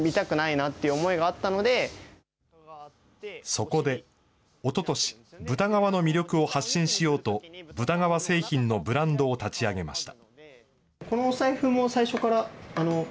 そこで、おととし、豚革の魅力を発信しようと、豚革製品のブランドを立ち上げました。